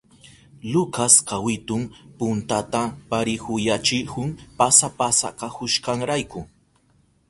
Lucas kawitun puntata parihuyachihun pasa pasa kahushkanrayku.